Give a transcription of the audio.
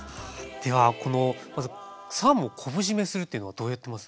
ではこのまずサーモンを昆布じめするっていうのはどうやってます？